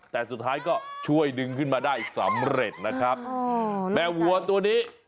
แต่สุดท้ายก็ช่วยดึงขึ้นมาได้สำเร็จนะครับแม่วัวตัวนี้